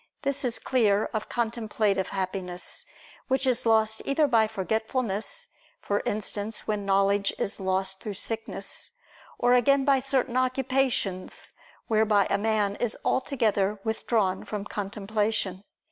This is clear of contemplative happiness, which is lost either by forgetfulness, for instance, when knowledge is lost through sickness; or again by certain occupations, whereby a man is altogether withdrawn from contemplation.